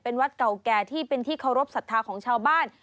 เป็นวัดเก่าแก่ที่เป็นที่เคารพสัทธาของชาวบ้าน